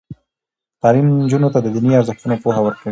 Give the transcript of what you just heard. تعلیم نجونو ته د دیني ارزښتونو پوهه ورکوي.